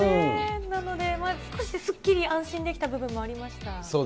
なので、少しすっきり安心できた部分もありました。